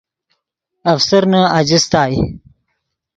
افسرنے اجستائے